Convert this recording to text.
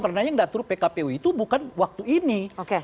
karena yang diatur pkp u itu bukan waktu ini